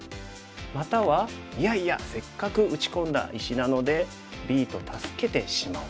またはいやいやせっかく打ち込んだ石なのでＢと助けてしまおう。